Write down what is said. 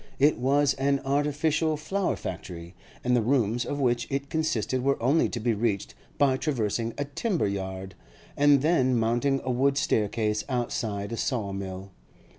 It was an artificial flower factory, and the rooms of which it consisted were only to be reached by traversing a timber yard, and then mounting a wooden staircase outside a saw mill.